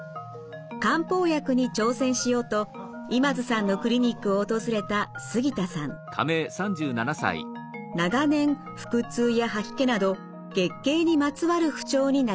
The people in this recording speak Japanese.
漢方薬に挑戦しようと今津さんのクリニックを訪れた長年腹痛や吐き気など月経にまつわる不調に悩んできました。